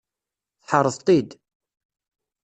Tḥerreḍ-t-id.